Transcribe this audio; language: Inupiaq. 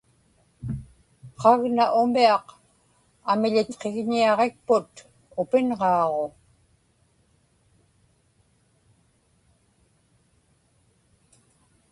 qagna umiaq amiḷitqigniaġikput upinġaaġu